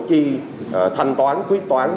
chi thanh toán quyết toán